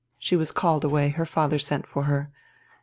She was called away, her father sent for her.